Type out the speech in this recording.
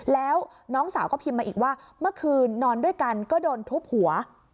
แล้วน้องสาวก็พิมพ์มาอีกว่าเมื่อคืนนอนด้วยกันก็โดนทุบหัว